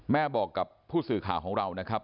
แม่บอกกับผู้สื่อข่าวของเรานะครับ